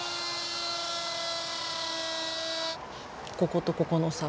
こことここの差